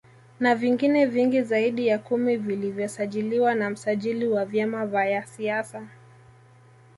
Na vingine vingi zaidi ya kumi vilivyosajiliwa na msajili wa vyama vaya siasa